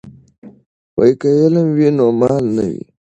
که علم وي نو مال نه وي.